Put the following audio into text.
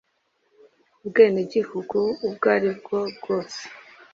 ubwenegihugu ubwo ari bwo bwose